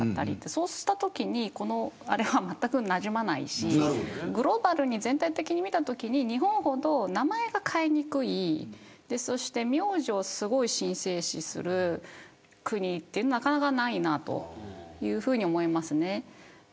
そうしたときにこれは、まったくなじまないしグローバルに全体的に見たときに日本ほど名前が変えにくい名字をすごく神聖視する国というのはなかなかないなというふうに思います。